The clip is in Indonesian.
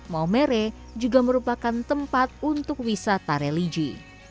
maumere juga merupakan tempat untuk wisata religi